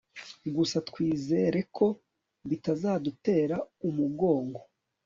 gusa twizere ko bitazadutera umugongo